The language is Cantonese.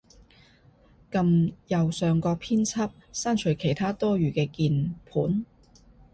撳右上角編輯，刪除其它多餘嘅鍵盤